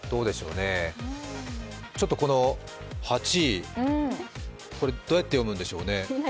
この８位、どうやって読むんでしょうね。